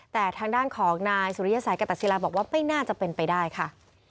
แต่ทางด้านของนายสุริยสัยกตศิลาบอกว่าไม่น่าจะเป็นไปได้ค่ะ